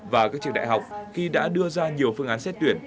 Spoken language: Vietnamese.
và các trường đại học khi đã đưa ra nhiều phương án xét tuyển